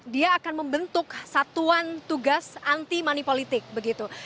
dia akan membentuk satuan tugas anti money politik begitu